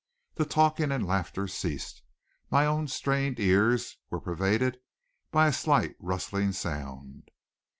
The talking and laughter ceased. My own strained ears were pervaded by a slight rustling sound.